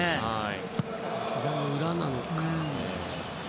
ひざの裏なのか。